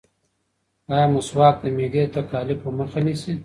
ایا مسواک د معدې د تکالیفو مخه نیسي؟